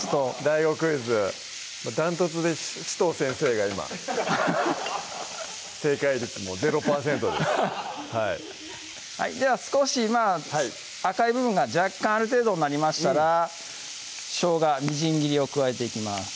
クイズダントツで紫藤先生が今正解率もう０％ですでは少しまぁ赤い部分が若干ある程度になりましたらしょうがみじん切りを加えていきます